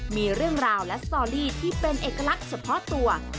มีเรื่องราวและสตอรี่ที่เป็นเอกลักษณ์เฉพาะตัว